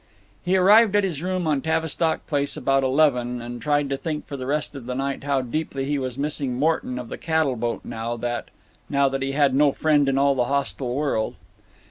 He arrived at his room on Tavistock Place about eleven, and tried to think for the rest of the night of how deeply he was missing Morton of the cattle boat now that—now that he had no friend in all the hostile world.